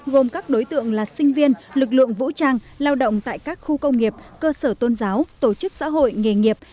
gồm các đối tượng là sinh viên lực lượng vũ trang lao động tại các khu công nghiệp cơ sở tôn giáo tổ chức xã hội nghề nghiệp